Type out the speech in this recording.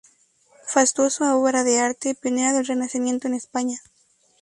Fastuosa obra de arte, pionera del Renacimiento en España.